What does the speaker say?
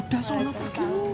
udah selalu pergi